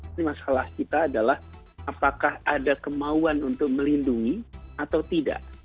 ini masalah kita adalah apakah ada kemauan untuk melindungi atau tidak